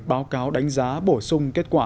báo cáo đánh giá bổ sung kết quả